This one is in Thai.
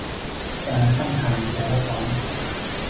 การตั้งครรภ์แปลว่าท้อง